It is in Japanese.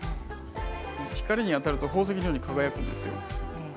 光に当たると宝石のように輝くんですね。